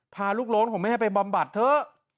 พาลูกโล้นของแม่ไปบำบัดเถอะ